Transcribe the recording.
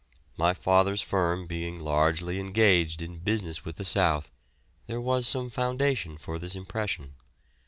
My father's firm being largely engaged in business with the South, there was some foundation for this impression.